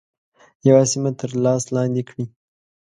یوه سیمه تر لاس لاندي کړي.